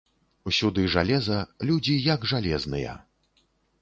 Усюды жалеза, людзі як жалезныя.